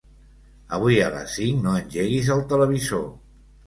Avui a les cinc no engeguis el televisor.